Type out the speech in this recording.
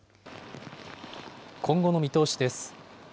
今後の見通しです。